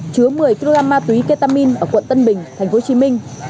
chứa một mươi kg ma túy ketamin ở quận tân bình tp hcm